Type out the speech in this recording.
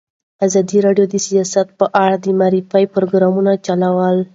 ازادي راډیو د سیاست په اړه د معارفې پروګرامونه چلولي.